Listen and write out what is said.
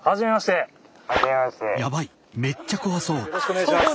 よろしくお願いします。